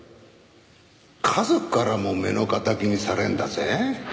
家族からも目の敵にされるんだぜ？